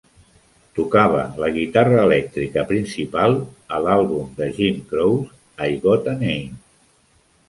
Tocava la guitarra elèctrica principal a l'àlbum de Jim Croce "I Got a Name".